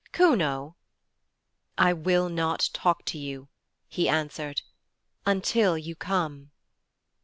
'Kuno!' 'I will not talk to you.' he answered, 'until you come.'